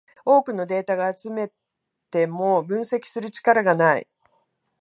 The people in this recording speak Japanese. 多くのデータが集めても分析する力がない